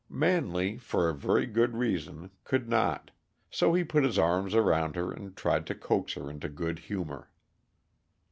Manley, for a very good reason, could not; so he put his arms around her and tried to coax her into good humor.